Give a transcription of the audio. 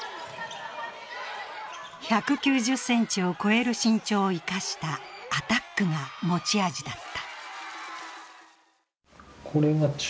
１９０ｃｍを超える身長を生かしたアタックが持ち味だった。